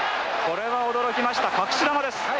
これは驚きました隠し球です。